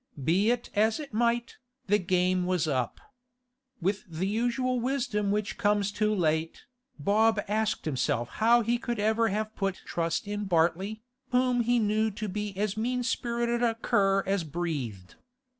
Be it as it might, the game was up. With the usual wisdom which comes too late, Bob asked himself how he could ever have put trust in Bartley, whom he knew to be as mean spirited a cur as breathed.